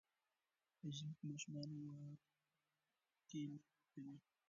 په ژمي کې ماشومان واوره کې لوبې کوي.